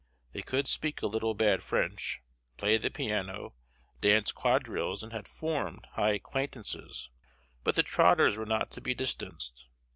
They could speak a little bad French, play the piano, dance quadrilles, and had formed high acquaintances; but the Trotters were not to be distanced.